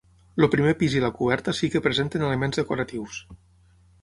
El primer pis i la coberta sí que presenten elements decoratius.